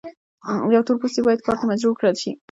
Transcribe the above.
یو تور پوستی باید کار ته مجبور کړل شي.